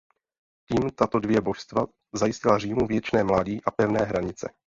Tím tato dvě božstva zajistila Římu věčné mládí a pevné hranice.